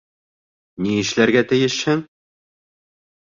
Ни эшләргә тейешһең?